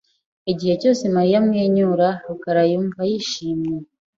Igihe cyose Mariya amwenyura, rukara yumva yishimye .